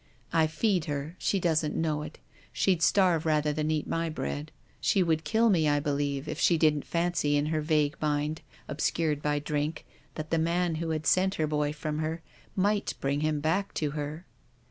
I feed her. She doesn't know it. She'd starve rather than eat my bread. She would kill me, I believe, if she didn't fancy in her vague mind, obscured by drink, that the man who had sent her boy from her might bring him back to her.